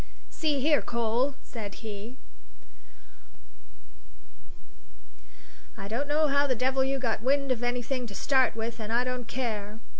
"See here, Cole," said he; "I don't know how the devil you got wind of anything to start with, and I don't care.